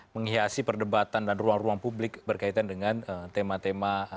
menghiasi perdebatan dan ruang ruang publik berkaitan dengan tema tema